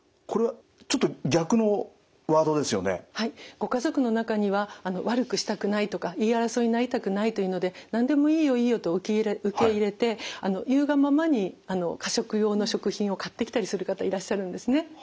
ご家族の中には悪くしたくないとか言い争いになりたくないというので何でも「いいよいいよ」と受け入れて言うがままに過食用の食品を買ってきたりする方いらっしゃるんですね。